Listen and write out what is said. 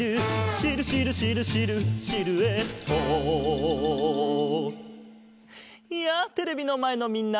「シルシルシルシルシルエット」やあテレビのまえのみんな！